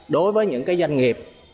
đối với những cái doanh nghiệp